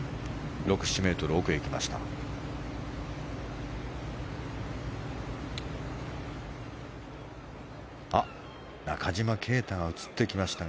６７ｍ奥へ行きました。